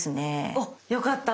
およかった。